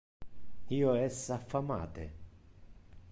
Io es affamate.